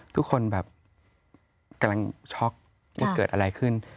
ทุกคนแบบกำลังช็อกว่าเกิดอะไรขึ้น